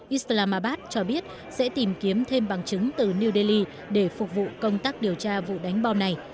islamabad cho biết sẽ tìm kiếm thêm bằng chứng từ new delhi để phục vụ công tác điều tra vụ đánh bom này